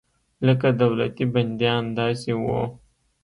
لکه دولتي بندیان داسې وو.